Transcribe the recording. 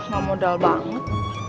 gak modal banget